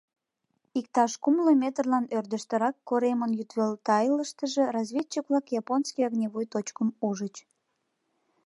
Иктаж кумло метрлан ӧрдыжтырак коремын йӱдвел тайылыштыже разведчик-влак японский огневой точкым ужыч.